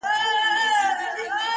ستا له غمه مي بدن ټوله کړېږي-